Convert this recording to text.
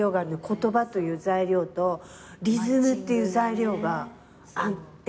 言葉という材料とリズムっていう材料があって。